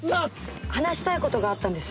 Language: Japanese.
話したい事があったんです。